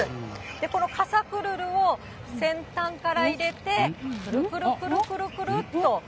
この傘くるるを先端から入れて、くるくるくるくるくるっと。